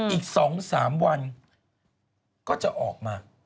อีก๒๓วันก็จะออกมา